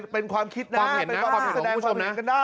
เป็นความคิดเป็นความเห็นของคุณผู้ชมนะ